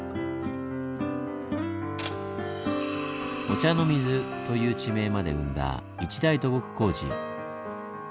「御茶ノ水」という地名まで生んだ一大土木工事。